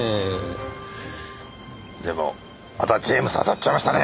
でもまたジェームズ当たっちゃいましたね。